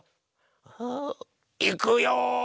いくよ。